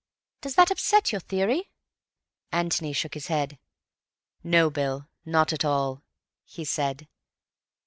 Does that upset your theory?" Antony shook his head. "No, Bill, not at all," he said.